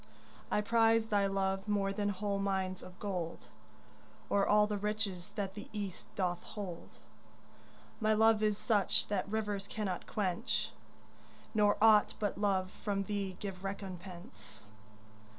I prize thy love more than whole mines of gold Or all the riches that the East doth hold. My love is such that rivers cannot quench, Nor aught but love from thee give recompense.